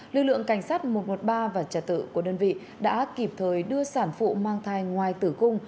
lực lượng cảnh sát một trăm một mươi ba và trả tự của đơn vị đã kịp thời đưa sản phụ mang thai ngoài tử cung